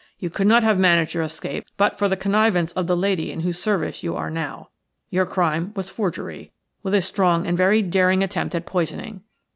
You could not have managed your escape but for the connivance of the lady in whose service you are now. Your crime was forgery, with a strong and very daring attempt at poisoning.